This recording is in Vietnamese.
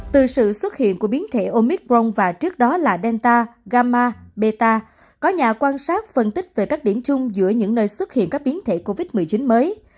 từ sự xuất hiện của biến thể omicron và trước đó là delta gama beta có nhà quan sát phân tích về các điểm chung giữa những nơi xuất hiện các biến thể covid một mươi chín mới